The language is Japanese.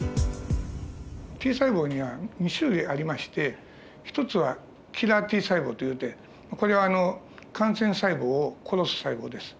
Ｔ細胞には２種類ありまして一つはキラーＴ細胞というてこれは感染細胞を殺す細胞です。